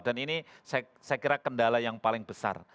dan ini saya kira kendala yang paling besar